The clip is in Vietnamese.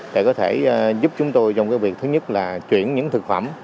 để có thể giúp chúng tôi trong việc thứ nhất là chuyển những thực phẩm